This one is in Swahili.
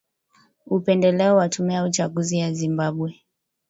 upendeleo wa tume ya uchaguzi ya Zimbabwe